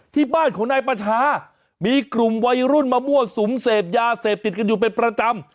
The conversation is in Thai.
ที่บ้านของนายประชามีกลุ่มวัยรุ่นมามั่วสุมเสพยาเสพติดกันอยู่เป็นประจำ